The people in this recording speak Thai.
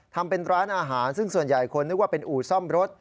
ทำเป็นร้านอาหารซึ่งส่วนใหญ่คนนึกว่าเป็นอู่ซ่อมรถ